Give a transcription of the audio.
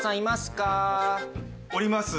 おります。